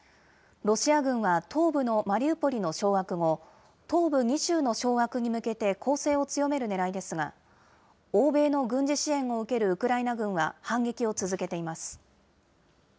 ロシア軍は東部のマリウポリの掌握後、東部２州の掌握に向けて、攻勢を強めるねらいですが、欧米の軍事支援を受けるウクライナ軍は反撃を続けています。